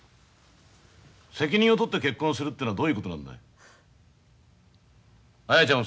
責任を取って結婚するっていうのはどういうことなんだい？